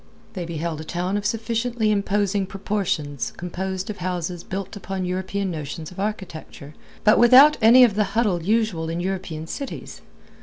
They beheld a town of sufficiently imposing proportions composed of houses built upon European notions of architecture, but without any of the huddle usual in European cities.